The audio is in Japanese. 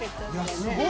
Δすごい。